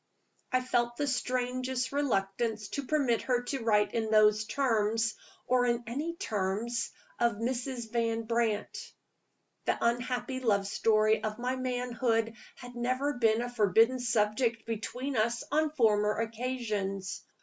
I felt the strangest reluctance to permit her to write in those terms, or in any terms, of Mrs. Van Brandt. The unhappy love story of my manhood had never been a forbidden subject between us on former occasions.